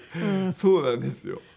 そうなんですよ。